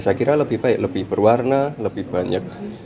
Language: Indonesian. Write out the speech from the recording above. saya kira lebih baik lebih berwarna lebih banyak